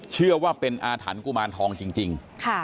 เชื่อว่าเป็นอาถรรพ์กุมารทองจริง